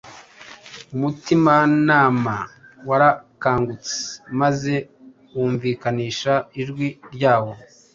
Umutimanama warakangutse maze wumvikanisha ijwi ryawo